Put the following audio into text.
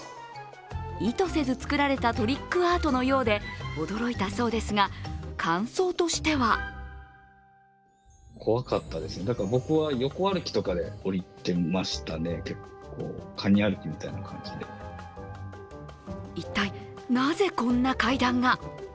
意図せず作られたトリックアートのようで驚いたそうですが感想としては一体、なぜこんな階段が。